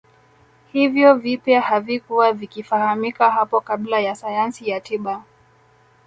Hivyo vipya havikuwa vikifahamika hapo kabla na sayansi ya tiba